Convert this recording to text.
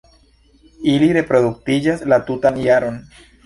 Ili reproduktiĝas la tutan jaron.